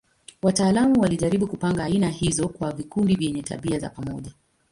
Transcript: Wataalamu walijaribu kupanga aina hizo kwa vikundi vyenye tabia za pamoja.